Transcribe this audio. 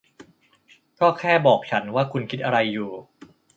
ก็แค่บอกฉันว่าคุณคิดอะไรอยู่